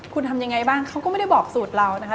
คุณทำยังไงบ้างเขาก็ไม่ได้บอกสูตรเรานะคะ